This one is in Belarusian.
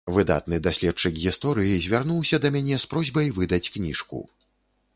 Выдатны даследчык гісторыі звярнуўся да мяне з просьбай выдаць кніжку.